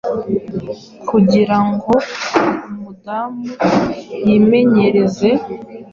Kugirango umudamu yimenyereze